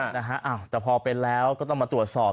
นะฮะอ้าวแต่พอเป็นแล้วก็ต้องมาตรวจสอบ